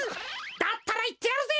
だったらいってやるぜ！